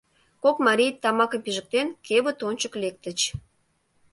Кок марий, тамакым пижыктен, кевыт ончык лектыч.